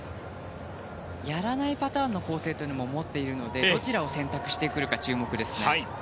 やらないパターンの構成も持っているのでどちらを選択してくるか注目です。